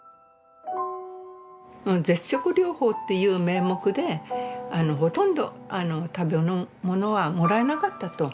絶食療法っていう名目でほとんど食べ物はもらえなかったと。